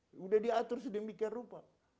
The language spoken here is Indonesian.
sudah diatur sedemikian rupa